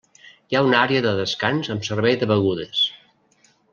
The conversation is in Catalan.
Hi ha una àrea de descans amb servei de begudes.